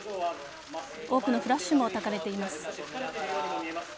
多くのフラッシュもたかれています。